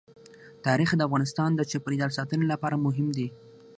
تاریخ د افغانستان د چاپیریال ساتنې لپاره مهم دي.